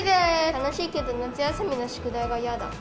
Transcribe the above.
楽しいけど夏休みの宿題が嫌だ。